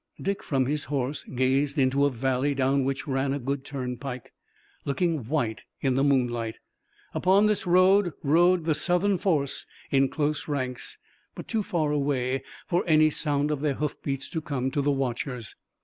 Dick from his horse gazed into a valley down which ran a good turnpike, looking white in the moonlight. Upon this road rode the Southern force in close ranks, but too far away, for any sound of their hoof beats to come to the watchers.